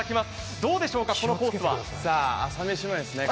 どうでしょうか、このコースは？